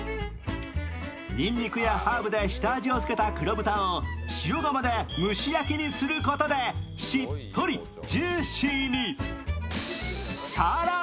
にんにくやハーブで下味をつけた黒豚を塩釜で蒸し焼きにすることで、しっとりジューシーに。